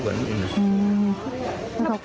เพราะพ่อเชื่อกับจ้างหักข้าวโพด